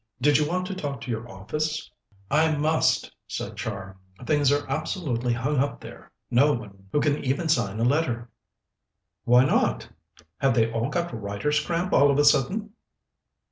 Did you want to talk to your office?" "I must," said Char. "Things are absolutely hung up there; no one who can even sign a letter." "Why not? Have they all got writer's cramp all of a sudden?"